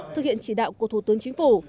thực hiện chỉ đạo của thủ tướng chính phủ